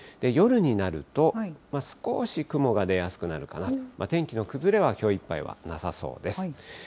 夜になると、少し雲が出やすくなるかなと、天気の崩れはきょういっぱいはなさそうです。